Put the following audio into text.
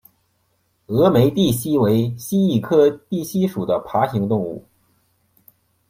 峨眉地蜥为蜥蜴科地蜥属的爬行动物。